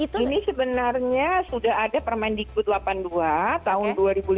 nah ini sebenarnya sudah ada permain di ku delapan puluh dua tahun dua ribu lima belas